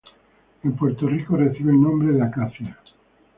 En Puerto Rico recibe el nombre de acacia.